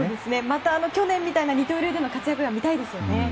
また、去年みたいな二刀流での活躍が見たいですよね。